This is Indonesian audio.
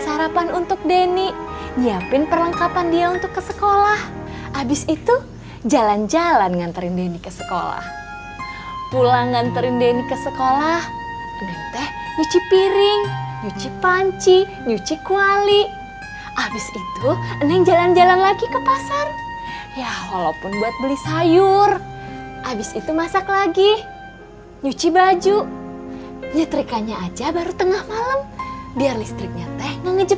sarapan untuk deni nyiapin perlengkapan dia untuk ke sekolah habis itu jalan jalan nganterin deni ke sekolah pulang nganterin deni ke sekolah nanti cuci piring cuci panci cuci kuali habis itu jalan jalan lagi ke pasar ya walaupun buat beli sayur habis itu masak lagi cuci baju nyetrikannya aja baru tengah malem biar listriknya teh nginget aja